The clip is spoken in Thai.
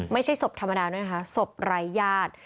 ไม่ใช่ศพธรรมดาด้วยนะคะศพรายาท